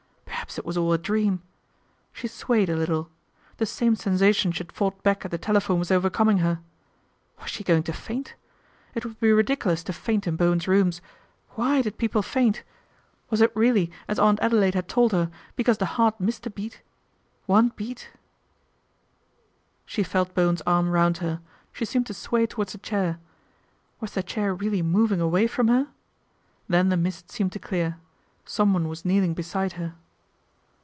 Perhaps it was all a dream. She swayed a little. The same sensation she had fought back at the telephone was overcoming her. Was she going to faint ? It would be ridiculous to faint in Bowen's rooms. Why did people faint ? Was it really, as Aunt Adelaide had told her, because the heart missed a beat ? One beat She felt Bowen's arm round her, she seemed to sway towards a chair. Was the chair really moving away from her ? Then the mist seemed to clear. Someone was kneeling beside her.